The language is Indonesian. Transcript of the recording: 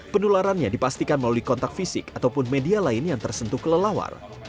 penularannya dipastikan melalui kontak fisik ataupun media lain yang tersentuh kelelawar